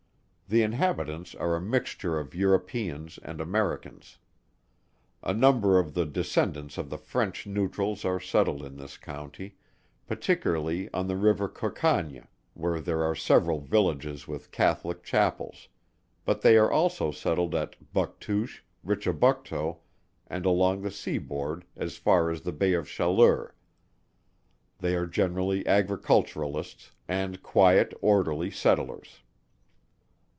The inhabitants are a mixture of Europeans and Americans. A number of the descendants of the French neutrals are settled in this county, particularly on the river Cocagne where there are several villages with Catholic Chapels; they are also settled at Buctouche, Richibucto and along the sea board as far as the Bay of Chaleur. They are generally agriculturalists and quiet orderly settlers.